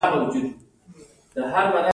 رڼا دوه ګونه طبیعت لري: څپه او ذره.